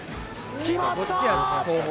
決まった！